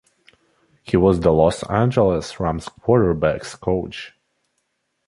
He was the Los Angeles Rams Quarterbacks Coach.